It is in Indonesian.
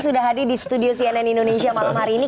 sudah hadir di studio cnn indonesia malam hari ini